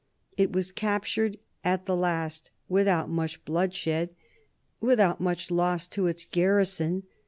It was captured at the last without much bloodshed, without much loss to its garrison.